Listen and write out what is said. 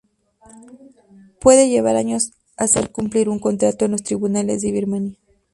Puede llevar años hacer cumplir un contrato en los tribunales de Birmania.